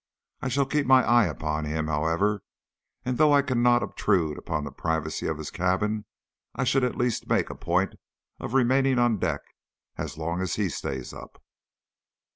I shall keep my eye upon him, however, and though I cannot obtrude upon the privacy of his cabin, I shall at least make a point of remaining on deck as long as he stays up.